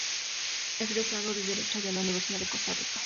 Egresado de Derecho de la Universidad de Costa Rica.